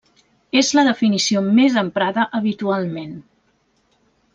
És la definició més emprada habitualment.